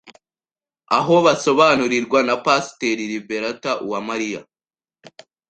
aho basobanurirwa na Pasiteri Liberatha Uwamariya